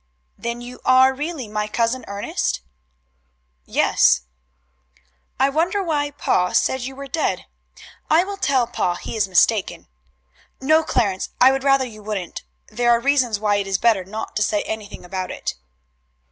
"Then you are really my Cousin Ernest?" "Yes." "I wonder why pa said you were dead. I will tell pa he is mistaken." "No, Clarence, I would rather you wouldn't. There are reasons why it is better not to say anything about it."